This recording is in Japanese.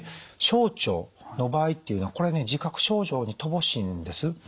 小腸の場合っていうのはこれね自覚症状に乏しいんです。